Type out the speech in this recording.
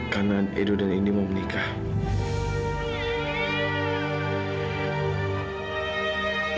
karena edo dan indi mau menikah